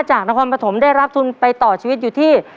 นครปฐมได้รับทุนไปต่อชีวิตอยู่ที่